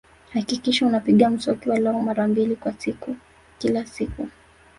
Hakikisha unapiga mswaki walau mara mbili kwa siku kila siku